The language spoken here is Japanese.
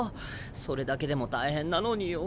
それだけでも大変なのによ。